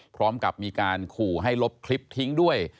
พร้อมกับมีการขู่ให้ลบคลิปทิ้งด้วย